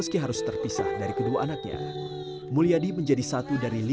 setelah tumpusan penduduk muda yang sempurna melewati yang zweiten hadir jesc di brazil